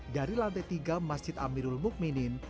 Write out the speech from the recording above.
dari lantai tiga masjid amirul mukminin